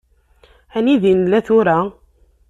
Anida i nella tura?